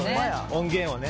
「音源をね」